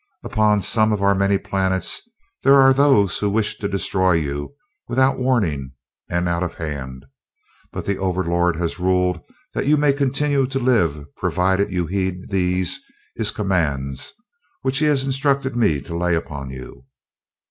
Upon some of our many planets there are those who wished to destroy you without warning and out of hand, but the Overlord has ruled that you may continue to live provided you heed these, his commands, which he has instructed me to lay upon you.